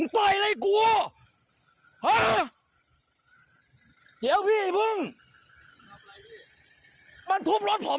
นายมีรสก็อธิบายต้องลองความสาน